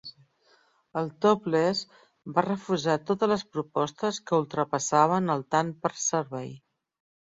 Al topless va refusar totes les propostes que ultrapassaven el tant per servei.